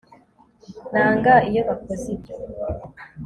nanga iyo bakoze ibyo